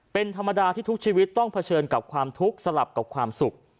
เป็นธรรมดาที่ทุกชีวิตต้องเผชิญกับความทุกข์สลับกับความสุข